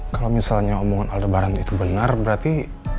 kalau misalnya omongan aldebaran itu benar berarti